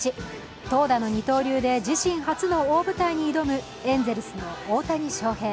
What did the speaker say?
投打の二刀流で自身初の大舞台に挑むエンゼルスの大谷翔平。